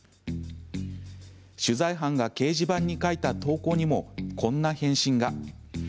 取材班が掲示板に書いた投稿にもこんな返信が。